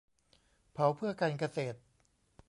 เผาเพื่อการเกษตร